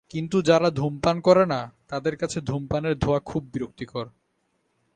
কিন্তু যঁারা ধূমপান করেন না, তাঁদের কাছে ধূমপানের ধোঁয়া খুব বিরক্তিকর।